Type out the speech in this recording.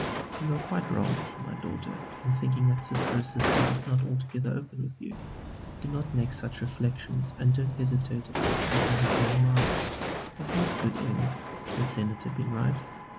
You are quite wrong, my daughter, in thinking that Sister Assistant is not altogether open with you. Do not make such reflections and don't hesitate about taking your own line. Has not good M. the Senator been right?